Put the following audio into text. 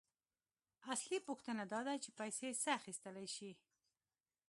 اصلي پوښتنه داده چې پیسې څه اخیستلی شي